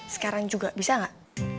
sekarang juga bisa gak